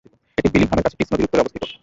এটি বিলিংহামের কাছে টিস নদীর উত্তরে অবস্থিত।